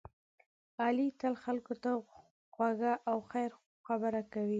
علی تل خلکو ته خوږه او خیر خبره کوي.